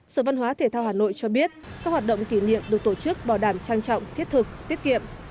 sở văn hóa thể thao hà nội cho biết các hoạt động kỷ niệm được tổ chức bảo đảm trang trọng thiết thực tiết kiệm